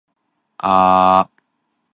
邊樣好食啲呢？